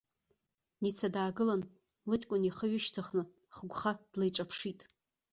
Ница даагылан, лыҷкәын ихы ҩышьҭхны хыгәха длеиҿаԥшит.